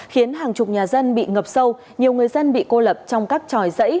khiến hàng chục nhà dân bị ngập sâu nhiều người dân bị cô lập trong các tròi dãy